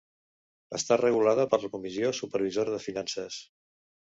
Està regulada per la Comissió Supervisora de Finances.